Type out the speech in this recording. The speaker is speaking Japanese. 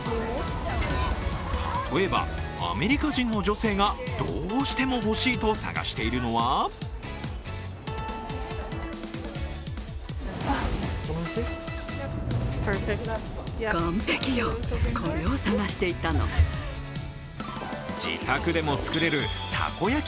例えばアメリカ人の女性がどうしても欲しいと探しているのは自宅でも作れるたこ焼き